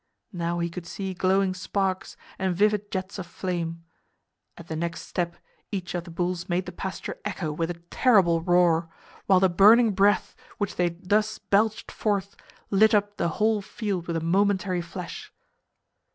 Now he could see glowing sparks and vivid jets of flame. At the next step each of the bulls made the pasture echo with a terrible roar, while the burning breath which they thus belched forth lit up the whole field with a momentary flash.